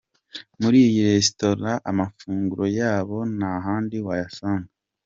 Muri iyi restora amafunguro yaho ntahandi wayasanga.